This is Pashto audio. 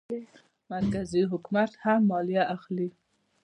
مرکزي حکومت هم مالیه اخلي.